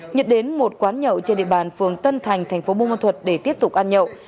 nhật đến một quán nhậu trên địa bàn phường tân thành thành phố buôn ma thuật để tiếp tục ăn nhậu